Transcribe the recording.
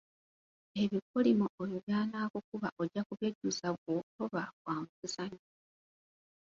Ebikolimo oyo by'anaakukuba ojja kubyejjusa bw'otoba wa mukisa nnyo.